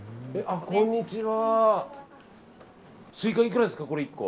スイカいくらですか、１個。